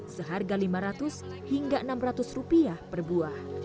seharga lima ratus hingga enam ratus per buah